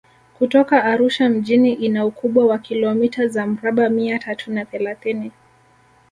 Kutoka Arusha mjini ina ukubwa wa kilometa za mraba mia tatu na thelathini